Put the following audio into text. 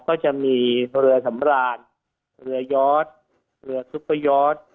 ก็จะมีเรือสำราญเรือยอดเรือซุปเปอร์ยอด